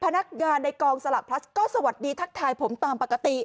พนักงานในกองสลักพลัสก็สวัสดีทักทายผมตามปกติ